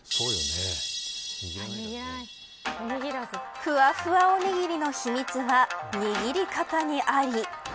ふわふわおにぎりの秘密は握り方にあり。